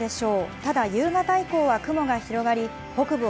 ただ夕方以降は雲が広がり、北部を